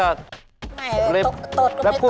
ไม่ตดก็ไม่ตดธรรมดานะคุณเอ